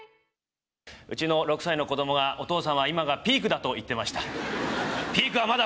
うちの６歳の子どもが、お父さんは今がピークだと言ってました。